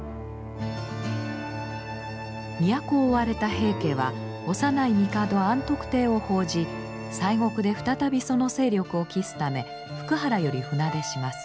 都を追われた平家は幼い帝安徳帝を奉じ西国で再びその勢力を期すため福原より船出します。